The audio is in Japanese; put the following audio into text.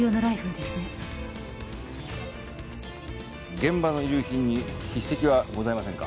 現場の遺留品に筆跡はございませんか？